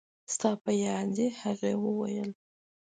ستا په یاد دي؟ هغې وویل.